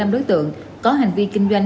một mươi năm đối tượng có hành vi kinh doanh